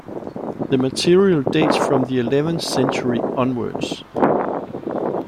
The material dates from the eleventh century onwards.